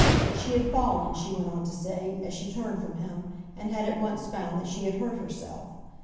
She had fallen, she went on to say, as she turned from him, and had at once found that she had hurt herself.